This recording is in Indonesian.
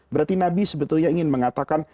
berarti nabi sebetulnya ingin mengatakan